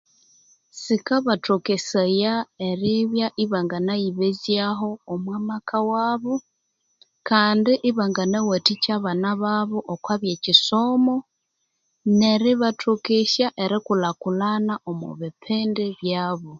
Sikabathokesaya eribya ibanginayibesyaho omwa maka wabo kandi ibanginawathikya abana babo okwa byekisomo neri bathokesya erikulhakulhana omwa bipindi byabo